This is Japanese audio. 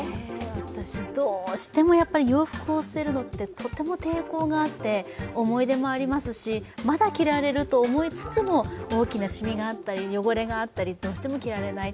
私、どうしても洋服を捨てるのってとても抵抗があって思い出もありますし、まだ着られると思いつつも大きなシミがあったり汚れがあったり、どうしても着られない。